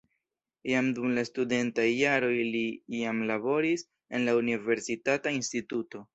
Jam dum la studentaj jaroj li jam laboris en la universitata instituto.